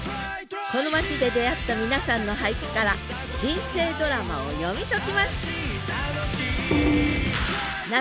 この町で出会った皆さんの俳句から人生ドラマを読み解きます！